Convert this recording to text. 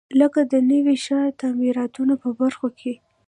لکه د نوي ښار د تعمیراتو په برخو کې.